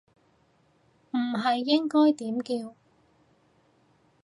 唔係應該點叫